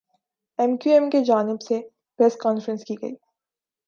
M Q M کی جانب سے پریس کانفرنس کی گئی